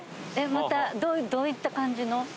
またどういった感じの？